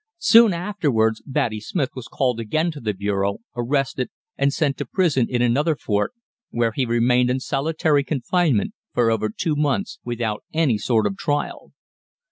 Soon afterwards Batty Smith was called again to the bureau, arrested, and sent to prison in another fort, where he remained in solitary confinement for over two months without any sort of trial.